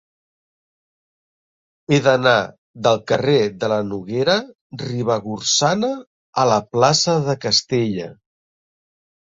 He d'anar del carrer de la Noguera Ribagorçana a la plaça de Castella.